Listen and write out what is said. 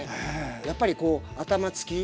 やっぱりこう頭つき。